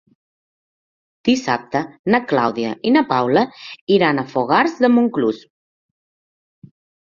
Dissabte na Clàudia i na Paula iran a Fogars de Montclús.